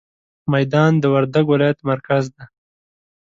ميدان د وردګ ولايت مرکز دی.